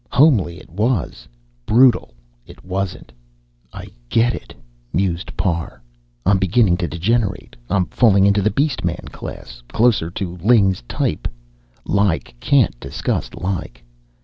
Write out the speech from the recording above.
Homely it was, brutal it wasn't.... "I get it," mused Parr. "I'm beginning to degenerate. I'm falling into the beast man class, closer to Ling's type. Like can't disgust like.